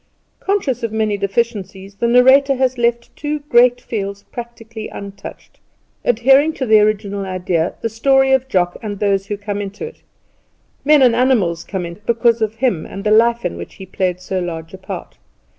Conscious of many deficiencies the narrator had left two great fields practically untouched, adhering to the original idea the story of Jock; and those who come into it, men and animals, come in because of him and the life in which he played so large a part.